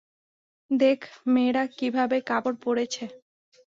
দেখ মেয়েরা কিভাবে কাপড় পরেছে।